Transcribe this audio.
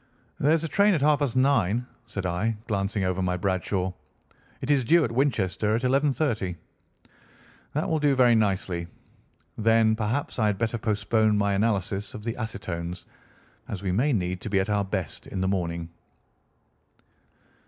"There is a train at half past nine," said I, glancing over my Bradshaw. "It is due at Winchester at 11:30." "That will do very nicely. Then perhaps I had better postpone my analysis of the acetones, as we may need to be at our best in the morning."